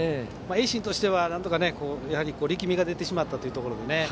盈進としては、力みが出てしまったというところが。